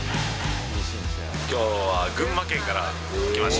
きょうは群馬県から来ました。